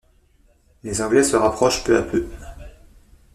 Les Anglais se rapprochent peu à peu.